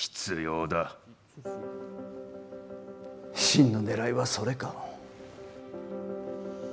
真のねらいはそれか。